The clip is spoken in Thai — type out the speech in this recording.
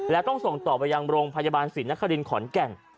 และต้องส่งต่อไปยังโรงพยาบาลศิลป์นักภาคดินขอนแก่ง